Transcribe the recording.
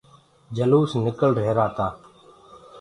جلوس ڻڪݪ رهيرآ تآ۔